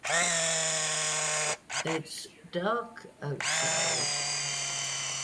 Both were available in coupe, wagon, and sedan bodystyles.